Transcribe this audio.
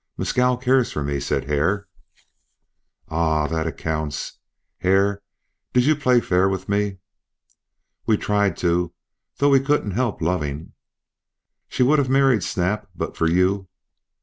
"Mescal cares for me," said Hare. "Ah! That accounts. Hare, did you play me fair?" "We tried to, though we couldn't help loving." "She would have married Snap but for you."